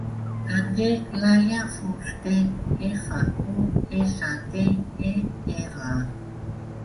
Em dic Laia Fuster: efa, u, essa, te, e, erra.